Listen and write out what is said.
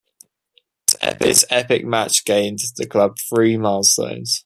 This epic match gained the club three milestones.